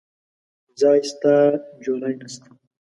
ځاى سته ، جولايې نسته.